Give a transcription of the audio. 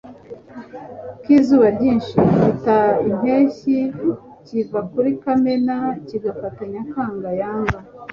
k'izuba ryinshi bita impeshyi kiva muri kamena, kigafata nyakanga yanga